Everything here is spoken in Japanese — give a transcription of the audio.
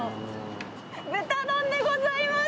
豚丼でございます！